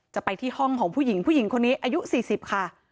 จะไปที่ห้องของผู้หญิงผู้หญิงคนนี้อายุ๔๐ค่ะ